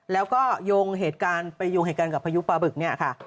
แล้วก็ไปโยงเหตุการณ์กับพายุประบึกน่ะค่ะ